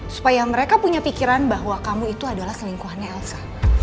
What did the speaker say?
supaya mereka punya pikiran bahwa kamu itu adalah selingkuhannya elsa